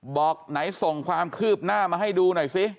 บอกไหนส่งความคืบหน้ามาให้ดูหน่อยซิ